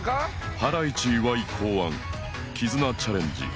ハライチ岩井考案キズナチャレンジ